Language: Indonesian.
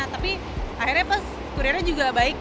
tapi akhirnya pas kurirnya juga baik